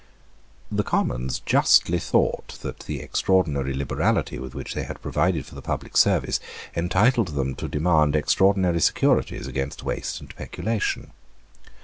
The Commons justly thought that the extraordinary liberality with which they had provided for the public service entitled them to demand extraordinary securities against waste and peculation.